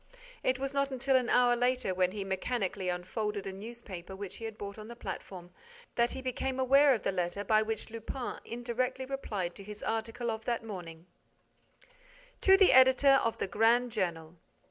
It was not until an hour later, when he mechanically unfolded a newspaper which he had bought on the platform, that he became aware of the letter by which Lupin indirectly replied to his article of that morning: _To the Editor of the Grand Journal.